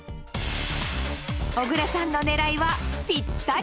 小倉さんの狙いはぴったり！